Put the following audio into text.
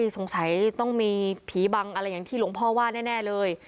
สงสัยต้องมีผีบังอะไรอย่างที่หลวงพ่อว่าแน่เลย